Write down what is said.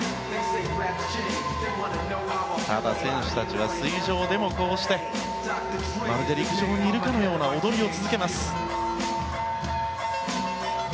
ただ、選手たちは水上でもこうしてまるで陸上にいるかのような踊りを続けます。